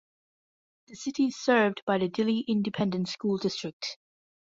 The city is served by the Dilley Independent School District.